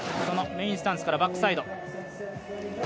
そのメインスタンスからバックサイド。